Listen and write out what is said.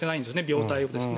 病態を。